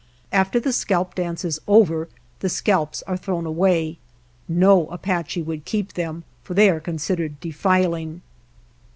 After the scalp dance is over the scalps are thrown away. No Apache would keep them, for they are considered defiling.